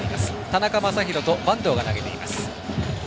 田中将大と板東が投げています。